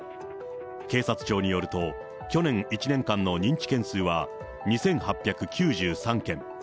警察庁によると、去年１年間の認知件数は２８９３件。